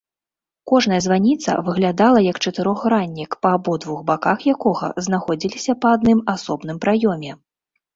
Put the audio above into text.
Кожная званіца выглядала як чатырохграннік, па абодвух баках якога знаходзіліся па адным асобным праёме.